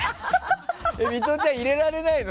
ミトちゃん、入れられないの？